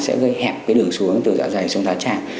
sẽ gây hẹp cái đường xuống từ dạ dày xuống dạ trang